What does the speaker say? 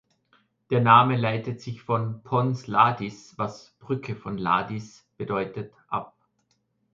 Der Name leitet sich von „Pons Ladis“, was Brücke von Ladis bedeutet, ab.